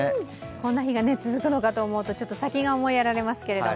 こんな日が続くのかと思うと先が思いやられますけど。